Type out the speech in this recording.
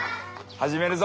始めるぞ。